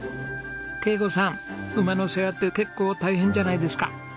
馬の世話って結構大変じゃないですか？